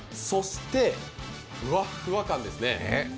そしてふわっふわ感ですね。